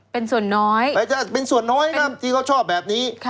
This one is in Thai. เป็นส่วนน้อยเป็นส่วนน้อยนะที่เขาชอบแบบนี้